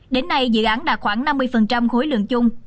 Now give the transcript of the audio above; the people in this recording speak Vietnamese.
đến nay dự án đạt khoảng năm mươi khối lượng chung